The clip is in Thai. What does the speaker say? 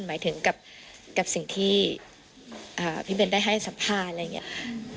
หมายถึงกับสิ่งที่พี่เบนได้ให้สัมภาษณ์อะไรอย่างนี้ค่ะ